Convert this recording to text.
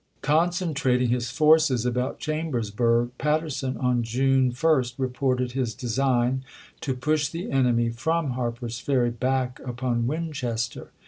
Concentrating his forces about Chambersburg, Patterson on June 1st reported his design to push the enemy from Harper's Ferry back upon Win chester.